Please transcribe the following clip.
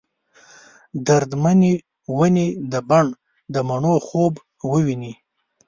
درد منې ونې د بڼ ، دمڼو خوب وویني